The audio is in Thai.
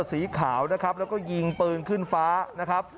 สีขาวนะครับแล้วก็ยิงปืนขึ้นฟ้านะครับ